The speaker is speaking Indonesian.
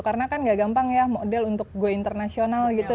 karena kan gak gampang ya model untuk gue internasional gitu